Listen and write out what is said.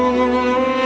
suara kamu indah sekali